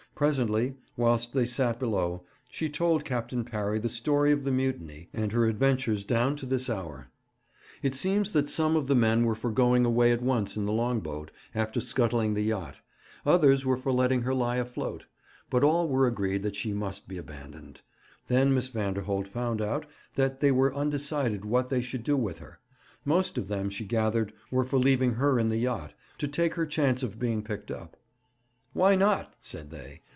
Presently, whilst they sat below, she told Captain Parry the story of the mutiny, and her adventures down to this hour. It seems that some of the men were for going away at once in the long boat, after scuttling the yacht; others were for letting her lie afloat; but all were agreed that she must be abandoned. Then Miss Vanderholt found out that they were undecided what they should do with her. Most of them, she gathered, were for leaving her in the yacht, to take her chance of being picked up. 'Why not?' said they.